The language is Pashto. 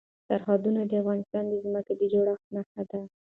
سرحدونه د افغانستان د ځمکې د جوړښت نښه ده.